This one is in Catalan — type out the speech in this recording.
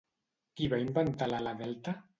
Qui va inventar l'ala delta?